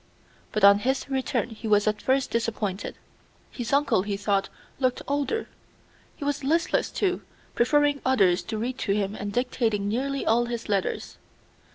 But on his return he was at first disappointed. His uncle, he thought, looked older. He was listless too, preferring others to read to him and dictating nearly all his letters.